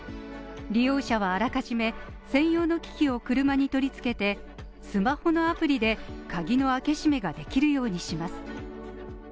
利用者はあらかじめ専用の機器を車に取り付けてスマホのアプリで鍵の開け閉めができるようにします。